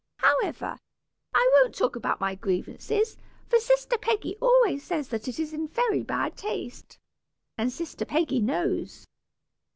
However, I won't talk about my grievances, for sister Peggy always says that it is in very bad taste, and sister Peggy knows.